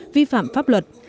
vi phạm pháp luật